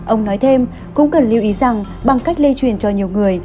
ông nói thêm cũng cần lưu ý rằng bằng cách lây truyền cho nhiều người